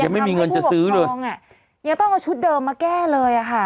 ยังทำให้ผู้ปกครองยังต้องเอาชุดเดิมมาแก้เลยค่ะ